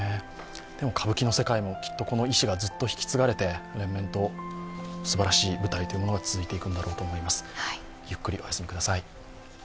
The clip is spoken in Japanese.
歌舞伎の世界もきっとこの遺志がずっと引き継がれて、連綿とすばらしい舞台が続いていくんだろうと思います。